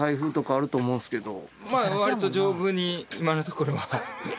まあ割と丈夫に今のところは。